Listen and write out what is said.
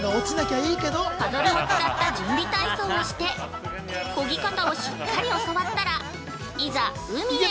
パドルを使った準備体操をしてこぎ方をしっかり教わったらいざ海へ！